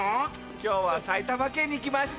今日は埼玉県に来ました！